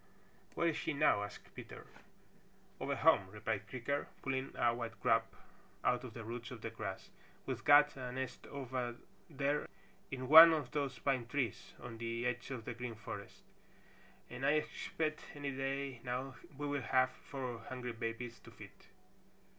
"Where is she now?" asked Peter. "Over home," replied Creaker, pulling a white grub out of the roots of the grass. "We've got a nest over there in one of those pine trees on the edge of the Green Forest and I expect any day now we will have four hungry babies to feed.